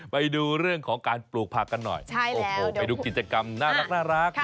ไปดูเรื่องของการปลูกผักกันหน่อยโอ้โหไปดูกิจกรรมน่ารัก